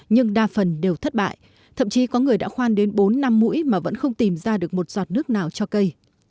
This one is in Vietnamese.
nhưng đa phần đều thất bại thậm chí có người đã khoan đến bốn năm mũi mà vẫn không tìm ra được một giọt nước nào cho cây